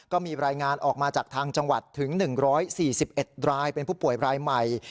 ก็มีรายงานออกมาจากทางจังหวัดถึง๑๔๑รายเป็นผู้ป่วยรายใหม่